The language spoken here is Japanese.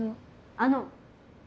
あの！